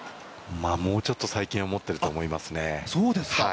もうちょっと最近は持っていると思いますね。